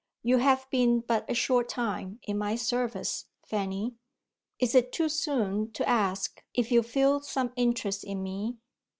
You have been but a short time in my service, Fanny. Is it too soon to ask if you feel some interest in me?"